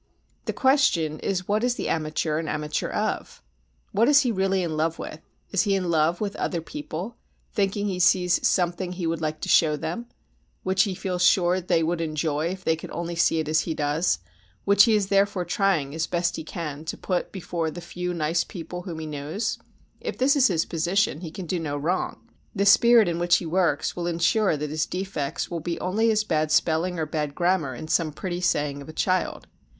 The question is what is the amateur an amateur of? What is he really in love with? Is he in love with other people, thinking he sees something which he would like to show them, which he feels sure they would enjoy if they could only see it as he does, which he is therefore trying as best he can to put before the few nice people whom he knows? If this is his position he can do no wrong, the spirit in which he works will ensure that his defects will be only as bad spelling or bad grammar in some pretty saying of a child.